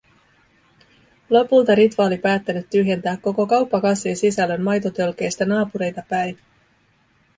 Lopulta Ritva oli päättänyt tyhjentää koko kauppakassin sisällön maitotölkeistä naapureita päin.